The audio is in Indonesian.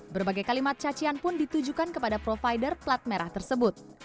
berbagai kalimat cacian pun ditujukan kepada provider plat merah tersebut